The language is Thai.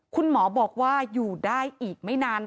คุณหมอบอกว่าอยู่ได้อีกไม่นาน